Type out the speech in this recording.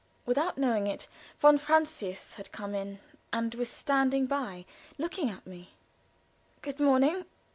Without knowing it, von Francius had come in, and was standing by, looking at me. "Good morning!"